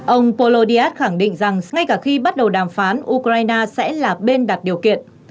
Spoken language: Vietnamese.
ông polodiat khẳng định rằng ngay cả khi bắt đầu đàm phán ukraine sẽ là bên đặt điều kiện